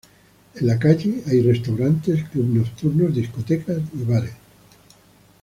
En la calle hay restaurantes, clubes nocturnos, discotecas y bares.